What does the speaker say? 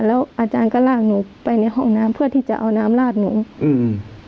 แล้วอาจารย์ก็ลากหนูไปในห้องน้ำเพื่อที่จะเอาน้ำลาดหนูอืม